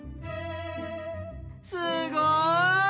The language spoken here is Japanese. すごい！